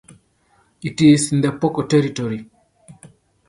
It is in the Poko Territory.